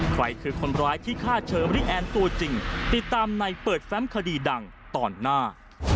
ใครคือคนร้ายที่ฆ่าเชอรี่แอนตัวจริงติดตามในเปิดแฟมคดีดังตอนหน้า